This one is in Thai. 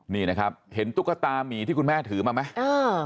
นี่นะครับเห็นตุ๊กตามีที่คุณแม่ถือมาไหม